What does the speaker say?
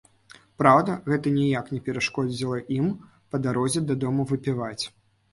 Праўда, гэта ніяк не перашкодзіла ім па дарозе дадому выпіваць.